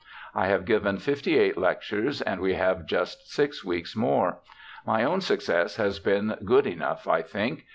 I have given fifty eight lectures, and we have just six weeks more. My own success has been good enough, I think.